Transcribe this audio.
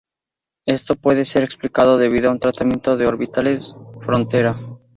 Esto puede ser explicado debido a un tratamiento de orbitales frontera.